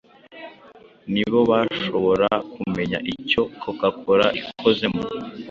ni bo bashobora kumenya icyo coca Cola ikozemo.